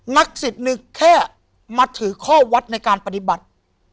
นักศิษย์นึงแค่มาถือข้อวัดในการปฏิบัติ